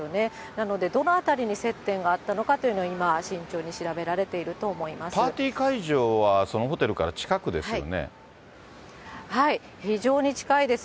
なので、どのあたりに接点があったのかというのは今、慎重に調べられていパーティー会場は、そのホテ非常に近いです。